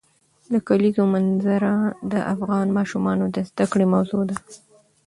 د کلیزو منظره د افغان ماشومانو د زده کړې موضوع ده.